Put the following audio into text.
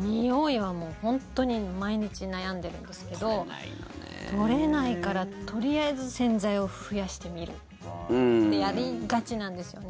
においは本当に毎日悩んでるんですけど取れないから、とりあえず洗剤を増やしてみるってやりがちなんですよね。